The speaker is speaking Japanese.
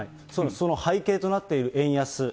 その背景となっている円安。